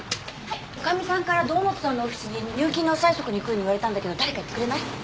女将さんから堂本さんのオフィスに入金の催促に行くように言われたんだけど誰か行ってくれない？